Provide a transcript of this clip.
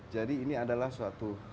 jadi ini adalah suatu